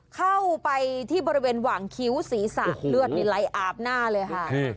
เข้าไปที่บริเวณหวั่งคิ้วศีรษะโอ้โหเลือดมีไหลอาบหน้าเลยฮะโอเค